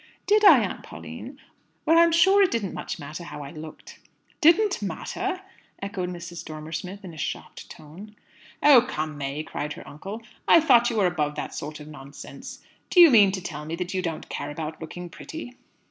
"Did I, Aunt Pauline? Well, I'm sure it didn't much matter how I looked." "Didn't matter!" echoed Mrs. Dormer Smith in a shocked tone. "Oh, come, May!" cried her uncle. "I thought you were above that sort of nonsense. Do you mean to tell me that you don't care about looking pretty?"